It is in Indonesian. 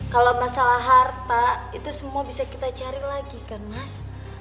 kalau masalah harta itu semua bisa kita cari lagi kan mas